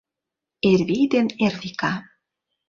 Эрвий ден Эрвика.